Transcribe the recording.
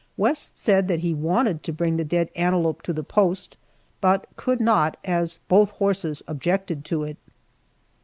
West said that he wanted to bring the dead antelope to the post, but could not, as both horses objected to it.